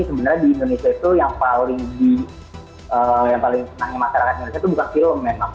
sebenarnya di indonesia itu yang paling senangnya masyarakat indonesia itu bukan film memang